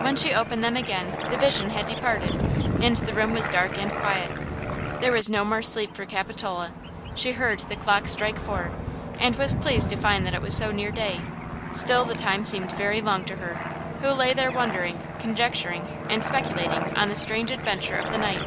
When she opened them again the vision had departed and the room was dark and quiet. There was no more sleep for Capitola. She heard the clock strike four, and was pleased to find that it was so near day. Still the time seemed very long to her, who lay there wondering, conjecturing and speculating on the strange adventure of the night.